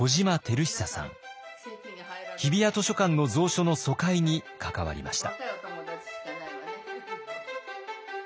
日比谷図書館の蔵書の疎開に関わりました。